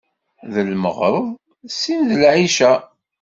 D lmeɣreb, sin d lɛica.